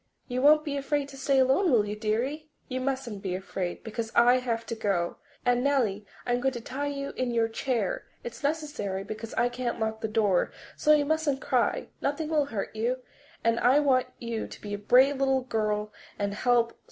You won't be afraid to stay alone, will you, dearie? You mustn't be afraid, because I have to go. And, Nellie, I'm going to tie you in your chair; it's necessary, because I can't lock the door, so you mustn't cry; nothing will hurt you, and I want you to be a brave little girl and help sister all you can."